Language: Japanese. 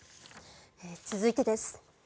続いてです。